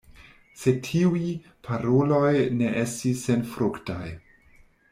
Sed tiuj paroloj ne estis senfruktaj.